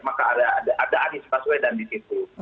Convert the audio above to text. maka ada anies baswedan di situ